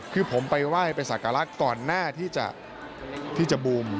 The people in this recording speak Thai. คือผมไปไหว้ไปสักการะก่อนหน้าที่จะบูม